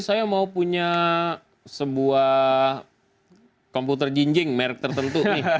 saya mau punya sebuah komputer jinjing merek tertentu nih